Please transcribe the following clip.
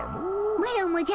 マロもじゃ。